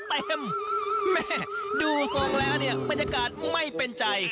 แม่ดูทรงแล้วเนี่ยบรรยากาศไม่เป็นใจ